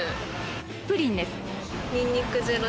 プリンです。